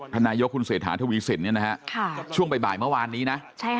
นายกคุณเศรษฐาทวีสินช่วงบ่ายเมื่อวานนี้นะ